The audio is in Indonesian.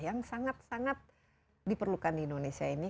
yang sangat sangat diperlukan di indonesia ini